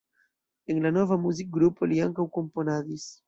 En la nova muzikgrupo li ankaŭ komponadis.